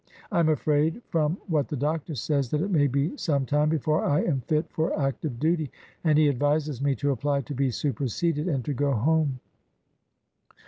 I am afraid, from what the doctor says, that it may be some time before I am fit for active duty, and he advises me to apply to be superseded, and to go home."